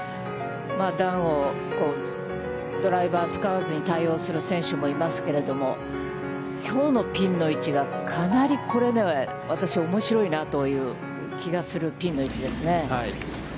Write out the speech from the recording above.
段をドライバーを使わずに対応する選手もいますけれども、きょうのピンの位置が、かなりこれね、私、おもしろいなという気がするピンの位置ですね。